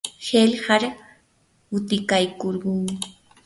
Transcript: qillqar utikaykurquu.